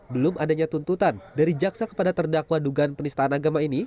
belum adanya tuntutan dari jaksa kepada terdakwa dugaan penistaan agama ini